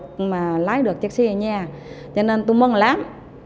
nhưng mà lái được chiếc xe ở nhà cho nên tôi mong lắm